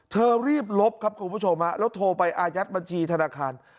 เธอรีบลบครับคุณผู้ชมแล้วโทรไปอายัดบัญชีธนาคาร